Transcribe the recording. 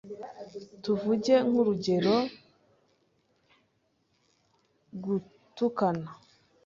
tuvuge nk’urugero gutukana.